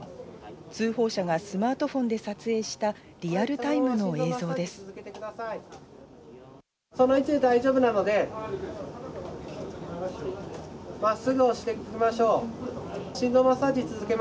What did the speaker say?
通報者がスマートフォンで撮影したリアルタイムの映像です。